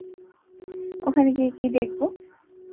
ওখানে গিয়ে কি দেখব?